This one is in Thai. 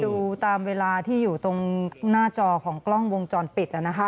ดูตามเวลาที่อยู่ตรงหน้าจอของกล้องวงจรปิดนะคะ